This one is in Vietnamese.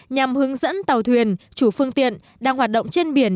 nhằm hướng dẫn tàu thuyền chủ phương tiện đang hoạt động trên biển